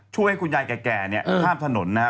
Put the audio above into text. ช่วยให้คุณยายแก่เนี่ยข้ามถนนนะครับ